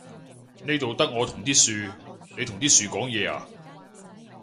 呢度得我同啲樹，你同啲樹講嘢呀？